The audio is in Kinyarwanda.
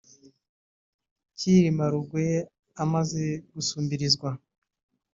Cyilima Rugwe amaze gusumbirizwa